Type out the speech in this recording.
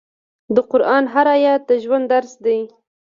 د قرآن هر آیت د ژوند درس دی.